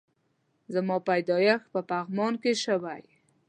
زما پيدايښت په پغمان کی شوي